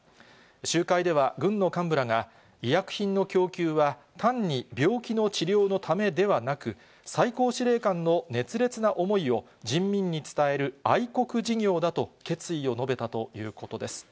集会では、軍の幹部らが、医薬品の供給は単に病気の治療のためではなく、最高司令官の熱烈な思いを、人民に伝える愛国事業だと、決意を述べたということです。